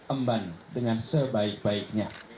emban dengan sebaik baiknya